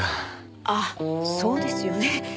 あっそうですよね。